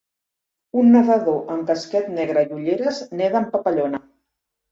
un nedador amb casquet negra i ulleres neda en papallona.